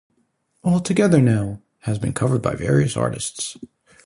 "All Together Now" has been covered by various artists.